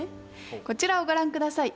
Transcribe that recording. こちらをご覧ください。